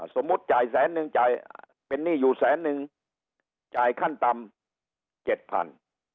สมมุติจ่ายแสนนึงจ่ายเป็นหนี้อยู่แสนนึงจ่ายขั้นต่ำเจ็ดพัน